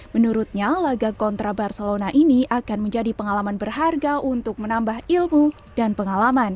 menurutnya laga kontra barcelona ini akan menjadi pengalaman berharga untuk menambah ilmu dan pengalaman